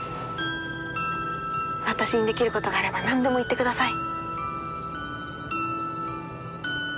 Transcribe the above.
私にできる事があればなんでも言ってください。